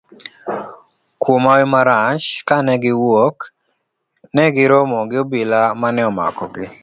Kuom hawi marach, kane giwuok, negi romo gi obila mane omakogi.